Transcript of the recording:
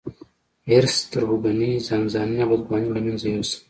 حرص، تربګني، ځانځاني او بدګوماني له منځه يوسم.